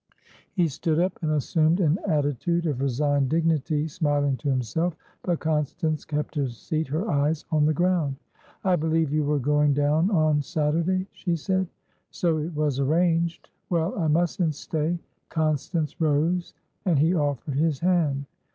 He stood up, and assumed an attitude of resigned dignity, smiling to himself. But Constance kept her seat, her eyes on the ground. "I believe you were going down on Saturday?" she said. "So it was arranged. Well, I mustn't stay" Constance rose, and he offered his hand.